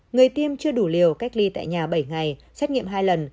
người tiêm chưa đủ liều cách ly tại nhà bảy ngày xét nghiệm hai lần